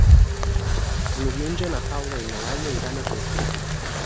Diumenge na Paula i na Laia iran a Gurb.